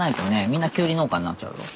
みんなきゅうり農家になっちゃうよ。